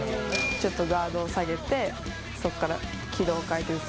ちょっとガードを下げて、そこから軌道を変えて打つ。